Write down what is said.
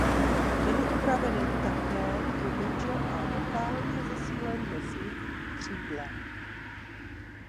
Byly upraveny také tlumiče a lokálně zesílen nosník křídla.